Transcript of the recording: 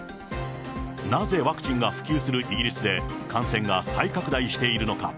なぜワクチンが普及するイギリスで、感染が再拡大しているのか。